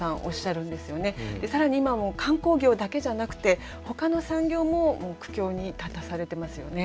で更に今もう観光業だけじゃなくてほかの産業も苦境に立たされてますよね。